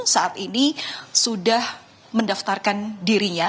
saat ini sudah mendaftarkan dirinya